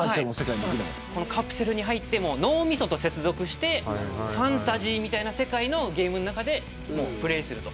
カプセルに入って脳みそと接続してファンタジーの世界のゲームの中でプレーする。